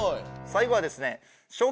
最後はですね